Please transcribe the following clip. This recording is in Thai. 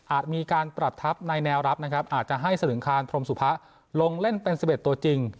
มีการปรับทัพในแนวรับนะครับอาจจะให้สลึงคารพรมสุพะลงเล่นเป็น๑๑ตัวจริง